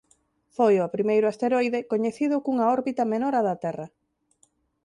Foi o primeiro asteroide coñecido cunha órbita menor á da Terra.